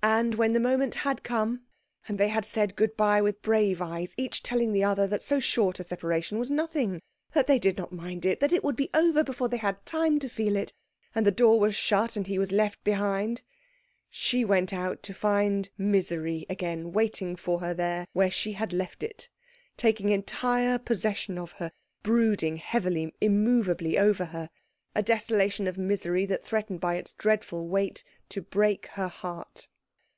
And when the moment had come, and they had said good bye with brave eyes, each telling the other that so short a separation was nothing, that they did not mind it, that it would be over before they had had time to feel it, and the door was shut, and he was left behind, she went out to find misery again, waiting for her there where she had left it, taking entire possession of her, brooding heavily, immovably over her, a desolation of misery that threatened by its dreadful weight to break her heart.